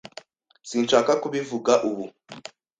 Sinshaka kubivuga ubu.